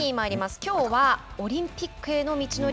きょうはオリンピックへの道のり。